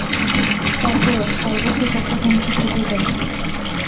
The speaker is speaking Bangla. তারপরও, সর্বশেষ একটা হুমকি থেকে যায়।